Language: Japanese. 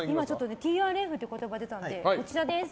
ＴＲＦって言葉でたのでこちらです。